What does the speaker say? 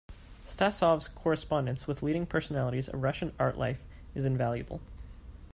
Stasov's correspondence with leading personalities of Russian art life is invaluable.